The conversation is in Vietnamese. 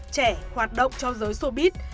trẻ hoạt động cho giới showbiz